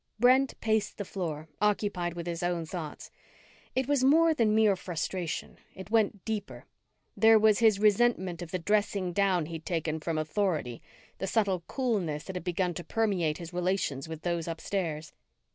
Brent paced the floor, occupied with his own thoughts. It was more than mere frustration. It went deeper. There was his resentment of the dressing down he'd taken from Authority; the subtle coolness that had begun to permeate his relations with those upstairs.